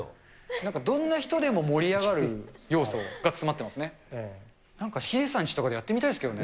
なんかどんな人でも盛り上がる要素が詰まってますね。